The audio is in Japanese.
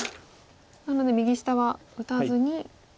なので右下は打たずに。